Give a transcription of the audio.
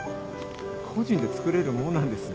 個人で作れるもんなんですね。